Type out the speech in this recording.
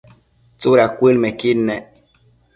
¿tsudad cuëdmëdquid ne?